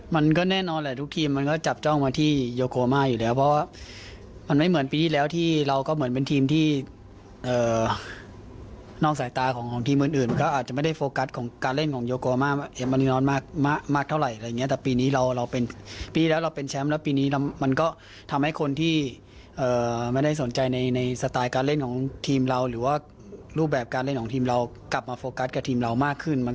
มันก็แน่นอนแหละทุกทีมมันก็จับจ้องมาที่โยโกอามาอยู่แล้วเพราะว่ามันไม่เหมือนปีที่แล้วที่เราก็เหมือนเป็นทีมที่นอกสายตาของทีมอื่นอื่นก็อาจจะไม่ได้โฟกัสของการเล่นของโยโกอามามากเท่าไหร่อะไรอย่างเงี้ยแต่ปีนี้เราเราเป็นปีแล้วเราเป็นแชมป์แล้วปีนี้มันก็ทำให้คนที่ไม่ได้สนใจในในสไตล์การเล่นของทีมเรา